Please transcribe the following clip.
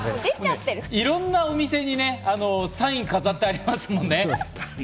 いろんなお店にサインが飾ってありますもんね。